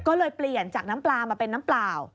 ก็เลยเปลี่ยนจากน้ำปลามาเป็นน้ำเปล่า